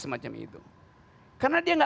semacam itu karena dia nggak